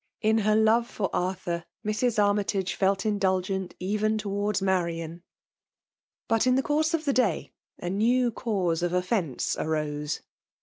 In her love for Arthur, Mrs. Armytage felt indulgent even towards Marian. But in the course of the day, a new cause of oflfence arose.